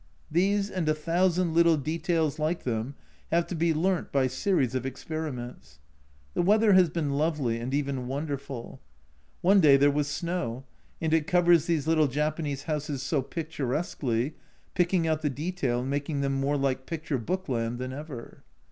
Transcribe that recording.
These and a thousand little details like them have to be learnt by series of experiments. The weather has been lovely, and even wonderful. One day there was snow, and it covers these little Japanese houses so picturesquely, picking out the detail and making them more like picture book land than ever.